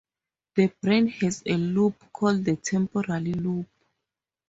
The brain has a lobe called the temporal lobe.